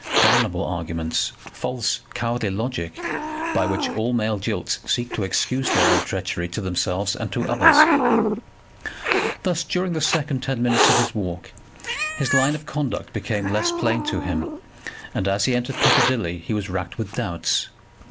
Damnable arguments! False, cowardly logic, by which all male jilts seek to excuse their own treachery to themselves and to others! Thus during the second ten minutes of his walk, his line of conduct became less plain to him, and as he entered Piccadilly he was racked with doubts.